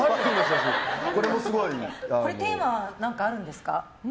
これ、テーマは何かあるんですか？